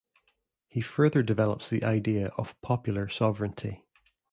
He further develops the idea of popular sovereignty.